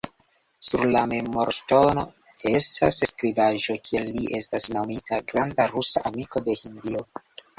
Sur la memorŝtono estas skribaĵo, kie li estas nomita “granda rusa amiko de Hindio.